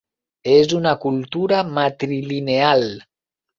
És una cultura matrilineal.